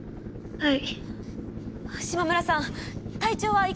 はい。